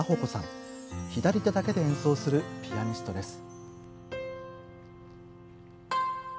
左手だけで演奏するピアニストです。